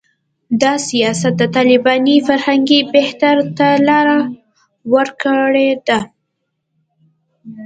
دا سیاست د طالباني فرهنګي بهیر ته لاره ورکړې ده